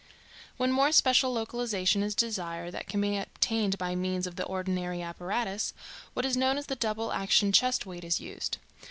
When more special localization is desired than can be obtained by means of the ordinary apparatus, what is known as the double action chest weight is used.